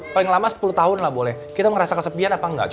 kita mau ngerasa kesepian apa enggak